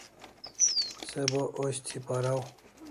Se bo osh thi paraw